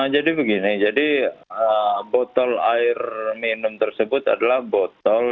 jadi begini jadi botol air minum tersebut adalah botol